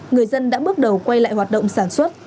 người dân đã bước đầu quay lại hoạt động sản xuất